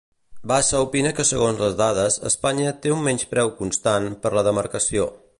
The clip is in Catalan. Bassa opina que segons les dades, Espanya té un "menyspreu constant" per la demarcació.